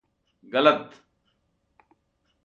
गलत।